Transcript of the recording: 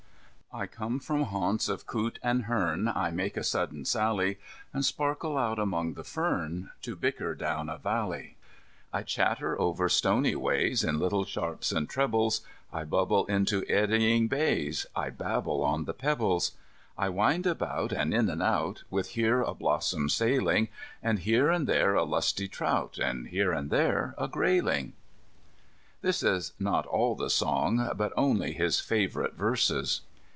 "I come from haunts of coot and hern, I make a sudden sally, and sparkle out among the fern, To bicker down a valley. "I chatter over stony ways In little sharps and trebles, I bubble into eddying bays, I babble on the pebbles. "I wind about, and in and out, With here a blossom sailing, And here and there a lusty trout, And here and there a grayling." This is not all the song, but only his favourite verses.